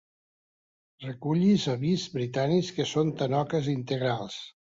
Recullis avis britànics que són tanoques integrals.